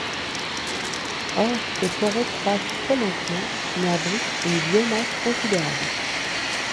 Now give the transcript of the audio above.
Or ces forêts croissent très lentement mais abritent une biomasse considérable.